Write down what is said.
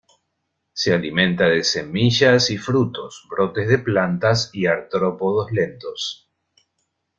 Se alimenta de semillas y frutos, brotes de plantas y artrópodos lentos.